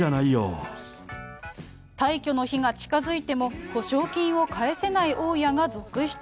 退去の日が近づいても、保証金を返せない大家が続出。